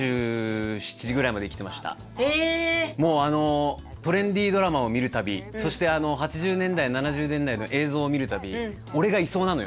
もうトレンディードラマを見る度そして８０年代７０年代の映像を見る度俺がいそうなのよ。